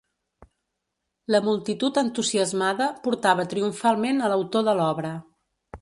La multitud entusiasmada portava triomfalment a l'autor de l'obra